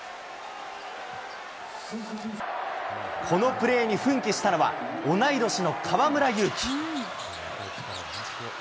このプレーに奮起したのは、同い年の河村勇輝。